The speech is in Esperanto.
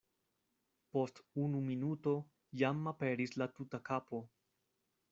Post unu minuto jam aperis la tuta kapo.